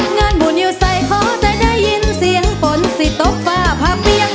งานบุญอยู่ใส่ขอแต่ได้ยินเสียงฝนสิตกฟ้าผ่าเปรี้ยง